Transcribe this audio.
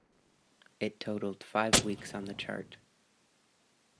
It totalled five weeks on the chart.